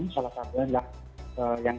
salah satunya yang